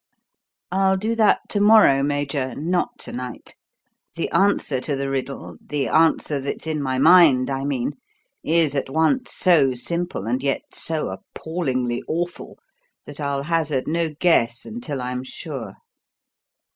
"I'll do that to morrow, Major; not to night. The answer to the riddle the answer that's in my mind, I mean is at once so simple and yet so appallingly awful that I'll hazard no guess until I'm sure.